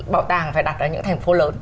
bảo tàng phải đặt ở những thành phố lớn